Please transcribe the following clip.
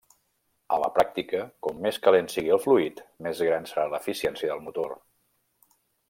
A la pràctica, com més calent sigui el fluid, més gran serà l'eficiència del motor.